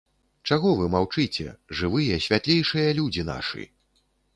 Чаго вы маўчыце, жывыя святлейшыя людзі нашы?